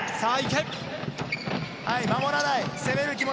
守らない。